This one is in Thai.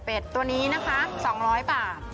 เป็นตัวนี้นะคะ๒๐๐บาท